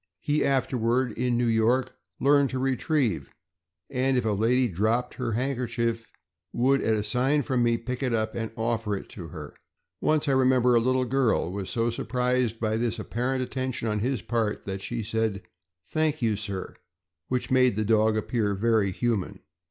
He afterward, in New York, learned to retrieve; knd if a lady dropped her hand kerchief, would, at a sign from me, pick it up and offer it to her. Once I remember a little girl was so surprised by this apparent attention on his part that she said "Thank you, sir," which made the dog appear very human.